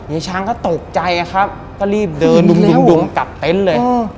ไอ้ช้างก็ตกใจอะครับก็รีบเดินดุมกลับเต็นต์เลยเออ